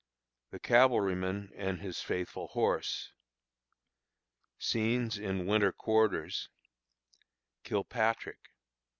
The Cavalryman and his Faithful Horse. Scenes in Winter Quarters. Kilpatrick.